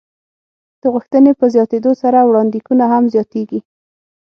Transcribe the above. د غوښتنې په زیاتېدو سره وړاندېکونه هم زیاتېږي.